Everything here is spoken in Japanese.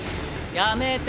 やめて。